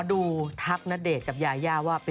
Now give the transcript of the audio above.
โอลี่คัมรี่ยากที่ใครจะตามทันโอลี่คัมรี่ยากที่ใครจะตามทัน